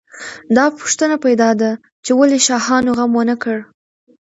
دا پوښتنه پیدا ده چې ولې شاهانو غم ونه کړ.